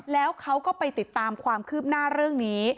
แล้วเขาก็ไปติดตามความคืบหน้าเรื่องนี้